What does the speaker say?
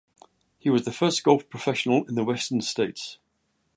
He was the first golf professional in the western States.